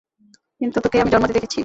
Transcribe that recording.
কিন্তু তোকে আমি জন্মাতে দেখেছি।